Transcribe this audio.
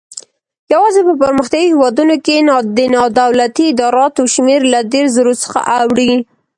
یوازې په پرمختیایي هیوادونو کې د نادولتي ادراراتو شمېر له دېرش زرو څخه اوړي.